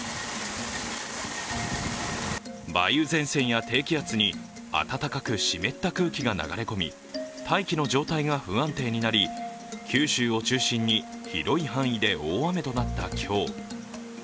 梅雨前線や低気圧に暖かく湿った空気が流れ込み、大気の状態が不安定になり九州を中心に広い範囲で大雨となった今日。